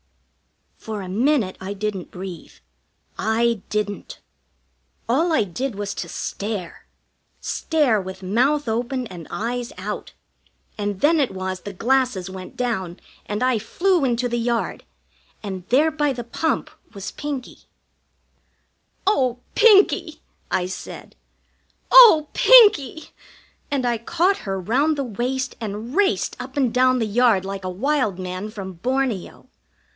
For a minute I didn't breathe. I didn't. All I did was to stare stare with mouth open and eyes out; and then it was the glasses went down and I flew into the yard, and there by the pump was Pinkie. "Oh, Pinkie!" I said. "Oh, Pinkie!" And I caught her round the waist and raced up and down the yard like a wild man from Borneo.